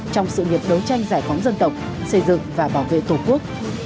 trong sự nghiệp đấu tranh giải phóng dân tộc xây dựng và bảo vệ tổ quốc